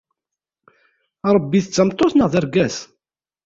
Ṛebbi d tameṭṭut neɣ d argaz?